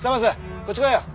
こっち来いよ。